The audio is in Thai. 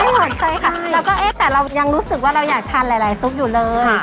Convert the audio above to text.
ไม่หมดใช่ค่ะแต่เรายังรู้สึกว่าเราอยากทานหลายซุปอยู่เลย